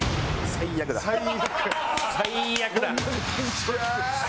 最悪だ！